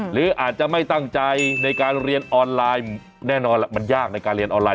หรืออาจจะไม่ตั้งใจในการเรียนออนไลน์แน่นอนมันยากในการเรียนออนไล